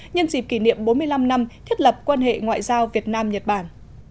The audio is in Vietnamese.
nhân dịp kỷ niệm bốn mươi năm năm thiết lập quan hệ ngoại giao việt nam nhật bản